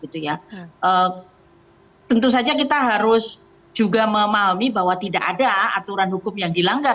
tentu saja kita harus juga memahami bahwa tidak ada aturan hukum yang dilanggar